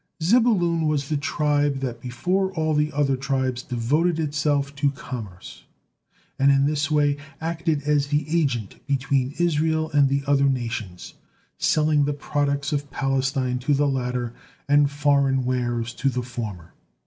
Zebulun was the tribe that before all the other tribes devoted itself to commerce, and in this way acted as the agent between Israel and the other nations, selling the products of Palestine to the latter, and foreign wares to the former.